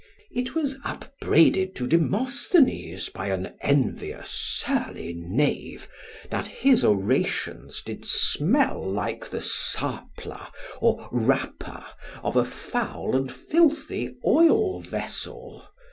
It was upbraided to Demosthenes by an envious surly knave, that his Orations did smell like the sarpler or wrapper of a foul and filthy oil vessel.